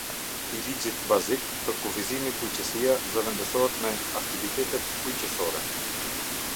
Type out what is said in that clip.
I ligjit bazik përkufizimi “Bujqësia” zëvendësohet me “Aktivitet bujqësore”.